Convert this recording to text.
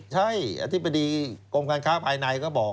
ใช่อธิบดีกรมการค้าภายในก็บอก